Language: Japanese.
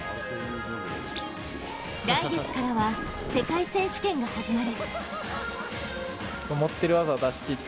来月からは世界選手権が始まる。